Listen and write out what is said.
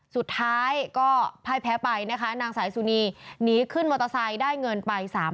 สุดท้ายก็พ่ายแพ้ไปนะคะนางสายสุนีหนีขึ้นมอเตอร์ไซค์ได้เงินไป๓๐๐๐